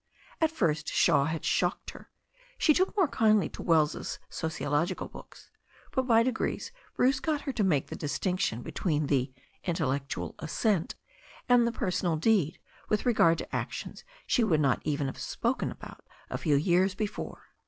At first Shaii9 had shocked her — ^she took more kindly to Wells's socio logical books — ^but by degrees Bruce got her to make the distinction between the ^'intellectual assent" and the ^et 286 THE STORY OF A NEW ZEALAND RIVER sonal deed with regard to actions she would not even have spoken about a few years before.